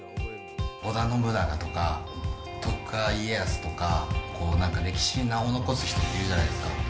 織田信長とか徳川家康とか、なんか歴史に名を残す人っているじゃないですか。